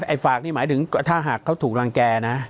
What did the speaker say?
ไอ้ฝากนี่หมายถึงถ้าหากเขาถูกรังแก่นะ